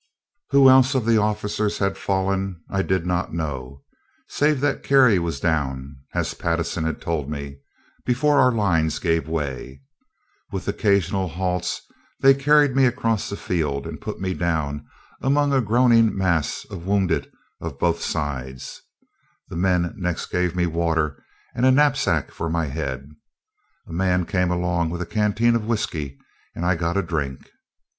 Who else of the officers had fallen, I did not know, save that Cary was down, as Pattison had told me, before our lines gave way. With occasional halts, they carried me across the field, and put me down among a groaning mass of wounded of both sides. The men next me gave me water and a knapsack for my head, a man came along with a canteen of whiskey and I got a drink.